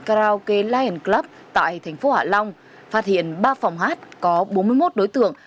karaoke liend club tại thành phố hạ long phát hiện ba phòng hát có bốn mươi một đối tượng